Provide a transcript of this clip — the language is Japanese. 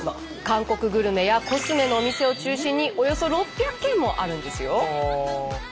韓国グルメやコスメのお店を中心におよそ６００軒もあるんですよ。